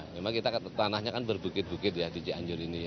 memang kita tanahnya kan berbukit bukit ya